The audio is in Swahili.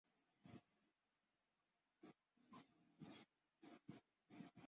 mazungumzo na Saudi Arabia ambayo yamekuwa yakiendelea mjini Baghdad